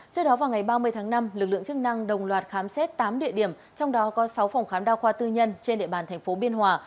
trước đó vào ngày ba mươi tháng năm lực lượng chức năng đồng loạt khám xét tám địa điểm trong đó có sáu phòng khám đa khoa tư nhân trên địa bàn thành phố biên hòa